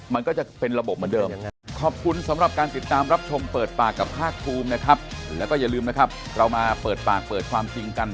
มันก็จะเป็นระบบเหมือนเดิม